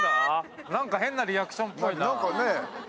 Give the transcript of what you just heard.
何だ、変なリアクションっぽいな。